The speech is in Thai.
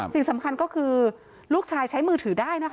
สิ่งสำคัญก็คือลูกชายใช้มือถือได้นะคะ